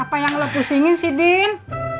apa yang lo pusingin sih din